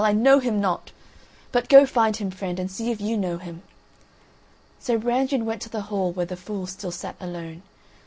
I know him not. But go find him, friend, and see if you know him." So Brangien went to the hall where the fool still sat alone.